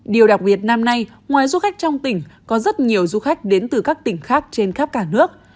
điều đặc biệt năm nay ngoài du khách trong tỉnh có rất nhiều du khách đến từ các tỉnh khác trên khắp cả nước